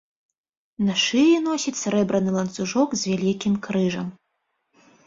На шыі носіць срэбраны ланцужок з вялікім крыжам.